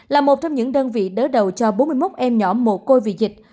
là một trong những đơn vị đỡ đầu cho bốn mươi một em nhỏ mồ côi vì dịch